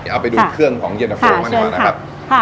เอาไปดูเครื่องของเย็นนอ์โฟล์กี่ค่ะ